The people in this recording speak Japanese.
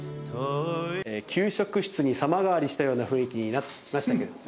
給食室に様変わりしたような雰囲気になりましたけどね。